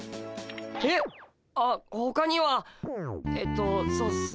えっ？あほかにはえっとそうっすね